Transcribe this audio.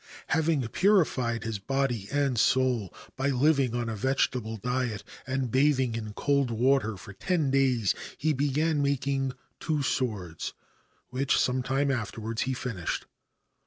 Having purified his body and soul by living on a vegetable diet and bathing in cold water for ten days, he began making two swords, which some time afterwards he finished.